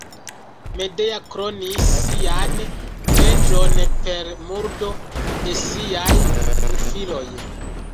Medea kronis sian venĝon per murdo de siaj du filoj.